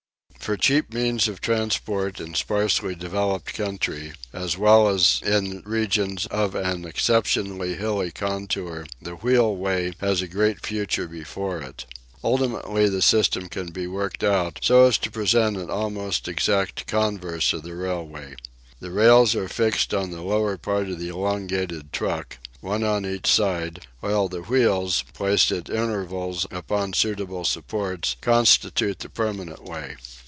For cheap means of transport in sparsely developed country, as well as in regions of an exceptionally hilly contour, the "wheelway" has a great future before it. Ultimately the system can be worked out so as to present an almost exact converse of the railway. The rails are fixed on the lower part of the elongated truck, one on each side; while the wheels, placed at intervals upon suitable supports, constitute the permanent way.